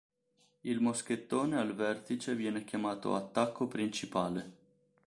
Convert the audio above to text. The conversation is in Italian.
Il moschettone al vertice viene chiamato "attacco principale".